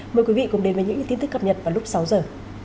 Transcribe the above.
mời quý vị cùng đến với những tin tức cập nhật vào lúc sáu giờ